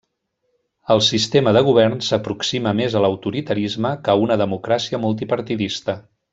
El sistema de govern s'aproxima més a l'autoritarisme que a una democràcia multipartidista.